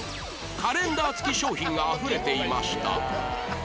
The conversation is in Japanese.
カレンダー付き商品があふれていました